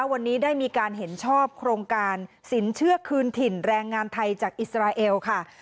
วันนี้ได้มีการเห็นชอบโครงการสินเชื่อคืนถิ่นแรงงานไทยจากอิสราเอลค่ะ